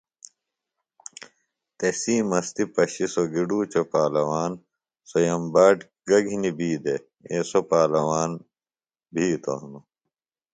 تسی مستی پشیۡ سوۡ گِڈوچوۡ پالواݨ، سوۡ یمباٹ گہ گِھنیۡ بی دےۡ ایسوۡ پالواݨ بِھیتوۡ ہِنوۡ